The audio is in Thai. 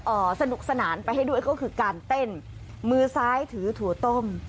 สนุกสนานไปให้ด้วยก็คือการเต้นมือซ้ายถือถั่วต้ม